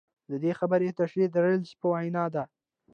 د دې خبرې تشرېح د رالز په وینا ده.